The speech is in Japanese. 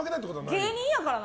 芸人やからな。